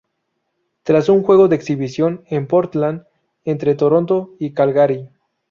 Tras un juego de exhibición en Portland entre Toronto y Calgary.